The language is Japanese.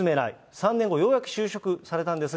３年後、ようやく就職されたんですが。